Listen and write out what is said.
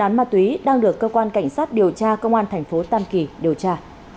án ma túy đang được cơ quan cảnh sát điều tra công an thành phố tam kỳ điều tra